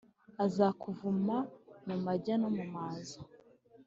azakuvuma mu majya no mu maza